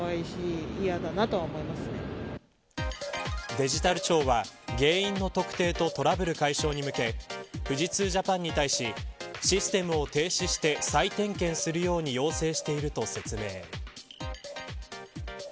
デジタル庁は原因の特定とトラブル解消に向け富士通ジャパンに対しシステムを停止して再点検するように要請していると説明。